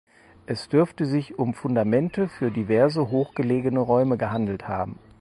Es dürfte sich um Fundamente für diverse hochgelegene Räume gehandelt haben.